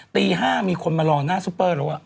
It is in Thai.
ตี๕มีคนมารอหน้าซุปเปอร์แล้ว